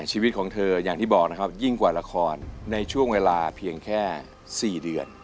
ชีวิตของเธออย่างที่บอกนะครับยิ่งกว่าละครในช่วงเวลาเพียงแค่๔เดือน